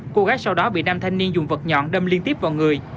cô gái sau đó bị nam thanh niên dùng vật nhọn đâm liên tiếp vào người